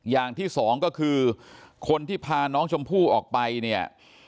อย่างที่สองก็คือคนที่พาน้องชมพู่ออกไปเนี่ย